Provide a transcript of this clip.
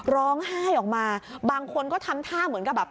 ร้องไห้ออกมาบางคนก็ทำท่าเหมือนกับแบบ